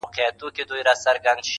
له ازل څخه یې لار نه وه میندلې.!